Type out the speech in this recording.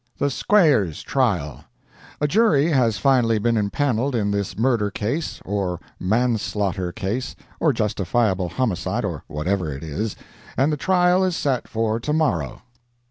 THE SQUAIRES TRIAL A jury has finally been empaneled in this murder case, or man slaughter case, or justifiable homicide, or whatever it is, and the trial set for to morrow.